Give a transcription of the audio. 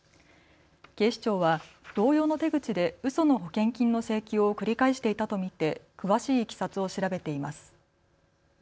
警視庁は同様の手口でうその保険金の請求を繰り返していたと見て詳しいいきさつを調べています。